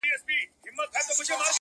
د پنیر ټوټه ترې ولوېده له پاسه!.